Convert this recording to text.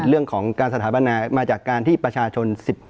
เรื่องของการสถาปนามาจากการที่ประชาชน๑๗